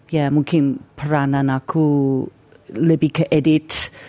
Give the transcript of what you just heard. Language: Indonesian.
ya mungkin peranan aku lebih ke edits